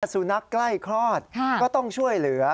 สุนัขใกล้คลอดก็ต้องช่วยเหลือ